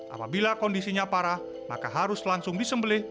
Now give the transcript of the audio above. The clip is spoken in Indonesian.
apabila kondisinya parah maka harus langsung disembelih